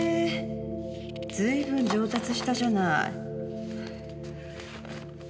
随分上達したじゃない。